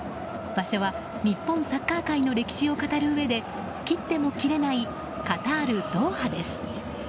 場所は、日本サッカー界の歴史を語るうえで切っても切れないカタール・ドーハです。